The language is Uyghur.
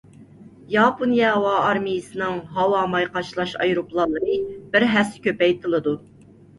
ياپونىيە ھاۋا ئارمىيەسىنىڭ ھاۋا ماي قاچىلاش ئايروپىلانلىرى بىر ھەسسە كۆپەيتىلىدۇ.